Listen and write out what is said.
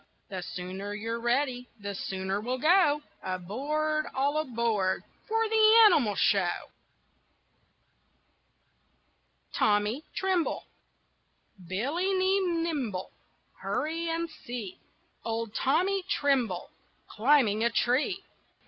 The sooner you're ready, the sooner we'll go. Aboard, all aboard, for the Animal Show! [Illustration: THE ANIMAL SHOW] TOMMY TRIMBLE Billy be nimble, Hurry and see Old Tommy Trimble Climbing a tree.